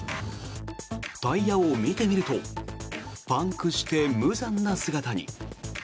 タイヤを見てみるとパンクして無残な姿に。